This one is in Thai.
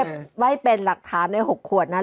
เก็บไว้เป็นหลักฐานหลักขวดนั้น